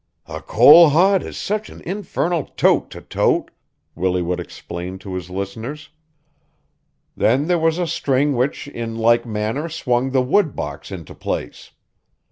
"A coal hod is such an infernal tote to tote!" Willie would explain to his listeners. Then there was a string which in like manner swung the wood box into place.